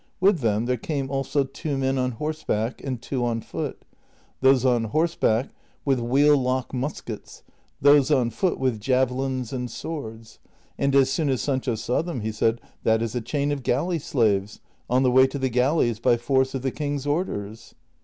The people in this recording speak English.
With them there came also two men on horse back and two on foot ; those on horseback with wheel lock muskets, those on foot with javelins and swords, and as soon as Sancho saw them he said, " That is a chain of galley slaves, on the way to the gallej's by force of the king's orders."